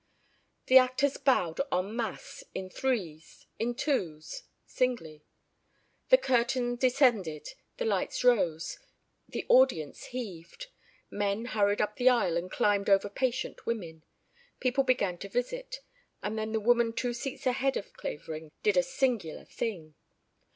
The actors bowed en masse, in threes, in twos, singly. The curtain descended, the lights rose, the audience heaved. Men hurried up the aisle and climbed over patient women. People began to visit. And then the woman two seats ahead of Clavering did a singular thing.